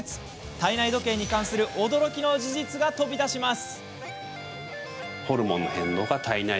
体内時計に関する驚きの事実が飛び出します。